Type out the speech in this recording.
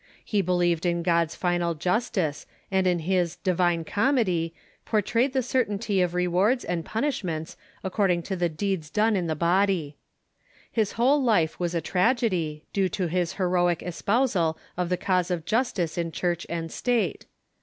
He believed in God's final justice, and in his " Divine Comedy " portrayed the certainty of rewards and punishments according to the deeds done in the body. His whole life was a tragedy, due to his heroic espousal of the cause of justice in Church and State.